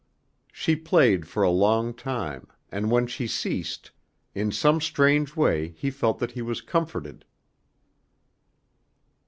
She played for a long time, and when she ceased, in some strange way he felt that he was comforted.